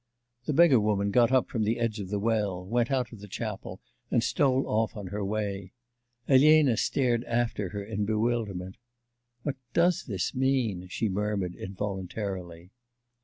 The beggar woman got up from the edge of the well, went out of the chapel, and stole off on her way. Elena stared after her in bewilderment. 'What does this mean?' she murmured involuntarily.